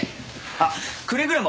あっくれぐれも。